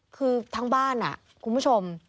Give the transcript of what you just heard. คือทั้งบ้านคุณผู้ชม